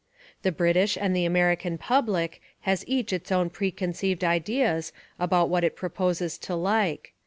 The British and the American public has each its own precon ceived Ideas about what it proposes to like.